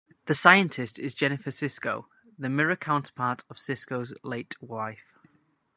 That scientist is Jennifer Sisko, the Mirror counterpart of Sisko's late wife.